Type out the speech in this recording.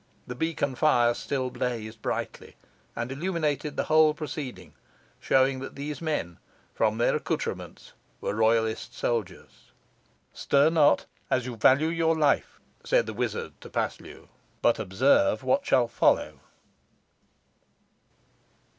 The beacon fire still blazed brightly, and illuminated the whole proceeding, showing that these men, from their accoutrements, were royalist soldiers. "Stir not, as you value your life," said the wizard to Paslew; "but observe what shall follow."